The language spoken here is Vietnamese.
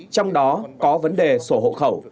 trong đó có vấn đề sổ hộ khẩu